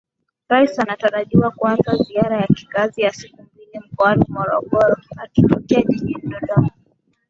Rais anatarajiwa kuanza ziara ya kikazi ya siku mbili Mkoani Morogoro akitokea Jijini Dodoma